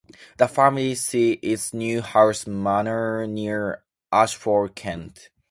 The family seat is Newhouse Manor, near Ashford, Kent.